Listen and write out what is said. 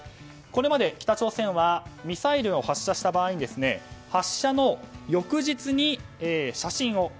これまで北朝鮮はミサイルを発射した場合発射の翌日に写真を。